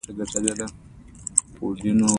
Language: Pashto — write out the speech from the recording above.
هلته یې د زنګانه د کتلولو عملیات ترسره کړل.